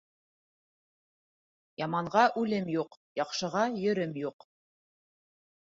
Яманға үлем юҡ, яҡшыға йөрөм юҡ.